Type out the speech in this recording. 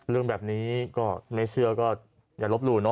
เรื่องแบบนี้ก็ไม่เชื่อก็อย่าลบหลู่